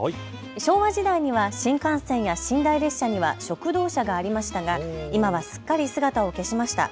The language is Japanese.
昭和時代には新幹線や寝台列車には食堂車がありましたが今はすっかり姿を消しました。